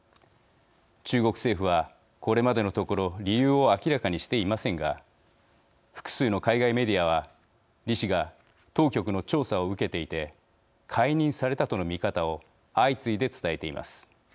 中国政府は、これまでのところ理由を明らかにしていませんが複数の海外メディアは李氏が当局の調査を受けていて解任されたとの見方を相次いで伝えています。